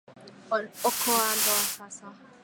Okoa ndoa sasa